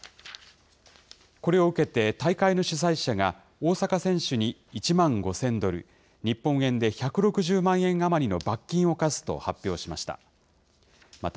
これを受けて大会の主催者が、大坂選手に１万５０００ドル、日本円で１６０万円余りの罰金を科すと発表しました。